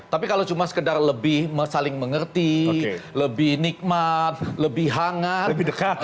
tapi kalau cuma sekedar lebih saling mengerti lebih nikmat lebih hangat